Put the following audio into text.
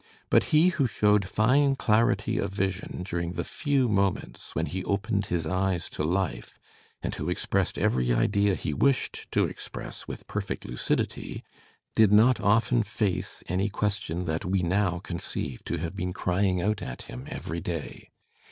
But he who showed fine clarity of vision during the few moments when he opened his eyes to life, and who expressed every idea he wished to express with perfect lucidity, did not often face any question tlutt we now conceive to have been crying out Digitized by Google HAWTHORNE 83 at him every day.